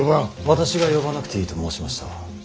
私が呼ばなくていいと申しました。